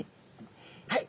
はい。